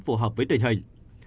phù hợp với tình hình